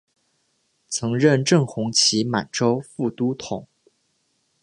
曾任正红旗满洲副都统。